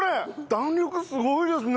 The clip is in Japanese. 弾力すごいですね！